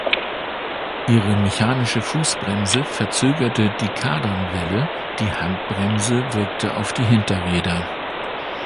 Ihre mechanische Fußbremse verzögerte die Kardanwelle; die Handbremse wirkte auf die Hinterräder.